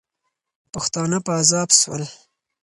پښتانه په عذاب سول.